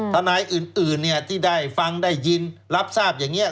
ทนายอื่นที่ได้ฟังได้ยินรับทราบอย่างนี้